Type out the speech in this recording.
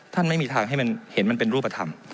ไม่มีทางให้มันเห็นมันเป็นรูปธรรม